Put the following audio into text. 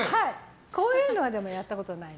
こういうのはやったことない。